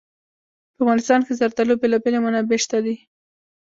په افغانستان کې د زردالو بېلابېلې منابع شته دي.